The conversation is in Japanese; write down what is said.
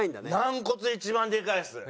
軟骨一番でかいです。